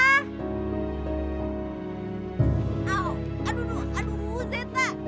aduh aduh zeta